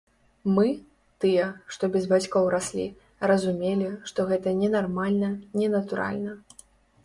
Мы, тыя, што без бацькоў раслі, разумелі, што гэта ненармальна, ненатуральна.